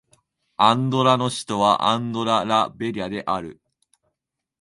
アンドラの首都はアンドラ・ラ・ベリャである